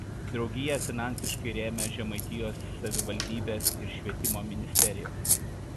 Draugiją finansiškai rėmė Žemaitijos savivaldybės ir Švietimo ministerija.